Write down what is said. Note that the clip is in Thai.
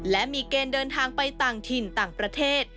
และมีเกณฑ์เดินทางไปต่างถิ่นต่างประเทศ